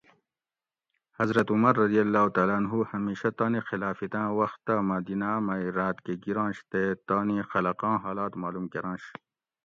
حضرت عمر رضی اللّٰہ تعالیٰ عنہ ھمیشہ تانی خلافتاں وختہ مدیناۤ مئ راۤت کہ گِرںش تے تانی خلقاں حالات معلوم کرنش